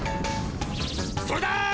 それだ！